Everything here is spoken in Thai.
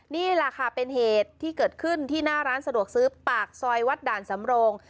นี่แหละค่ะเป็นเหตุที่เกิดขึ้นที่หน้าร้านสะดวกซื้อปากซอยวัดด่านสำโรง